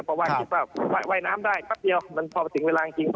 เพราะว่าคิดว่าว่ายน้ำได้ครับเดียว